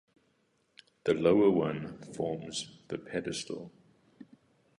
The lower one forms the pedestal.